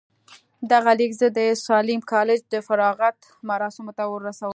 دغه ليک زه د ساليم کالج د فراغت مراسمو ته ورسولم.